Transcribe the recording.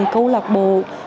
câu lạc bộ